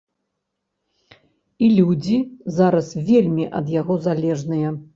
І людзі зараз вельмі ад яго залежныя.